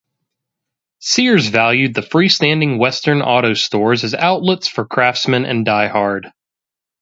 Sears valued the freestanding Western Auto stores as outlets for Craftsman and DieHard.